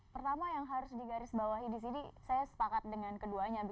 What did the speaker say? pertama yang harus digarisbawahi di sini saya sepakat dengan keduanya